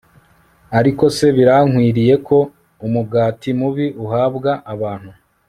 Ariko se birakwiriye ko umugati mubi uhabwa abantu